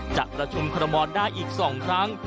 จากราชุมขรมรได้อีกสองครั้ง